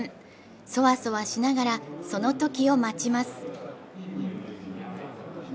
そわそわしながら、その時を待ちます。